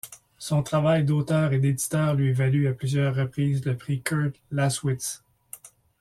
Son travail d'auteur et d'éditeur lui valut à plusieurs reprises le Prix Kurd-Laßwitz.